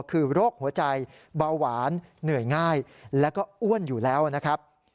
คือโรคหัวใจเบาหวานเหนื่อยง่ายแล้วก็อ้วนอยู่แล้วนะครับ